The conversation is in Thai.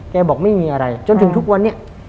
บอกไม่มีอะไรจนถึงทุกวันนี้